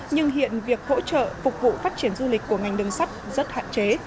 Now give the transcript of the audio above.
nhưng hiện việc hỗ trợ phục vụ phát triển du lịch của ngành đường sắt rất hạn chế